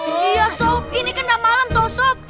iya sob ini kan udah malem toh sob